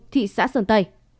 thị xã sơn tây